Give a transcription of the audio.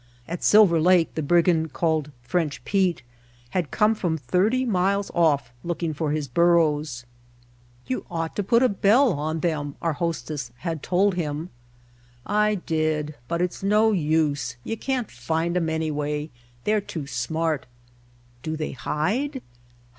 At Silver Lake the brigand called French Pete had come from thirty miles off looking for his burros. "You ought to put a bell on them," our host ess had told him. "I did, but it's no use. You can't find 'em, anyway. They're too smart." "Do they hide?"